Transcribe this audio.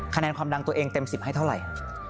คะแนนความดังตัวเองเต็ม๑๐ให้เท่าไหร่